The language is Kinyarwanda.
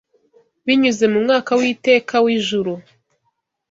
Binyuze mu 'mwaka w'iteka w'ijuru